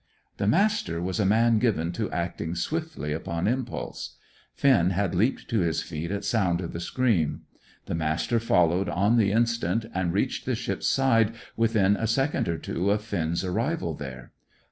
The Master was a man given to acting swiftly upon impulse. Finn had leaped to his feet at sound of the scream. The Master followed on the instant, and reached the ship's side within a second or two of Finn's arrival there.